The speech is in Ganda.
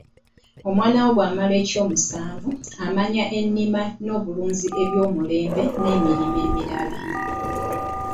Omwana wo bw'amala eky'omusanvu, amanya ennima n'obulunzi eby'omulembe n'emirimu emirala.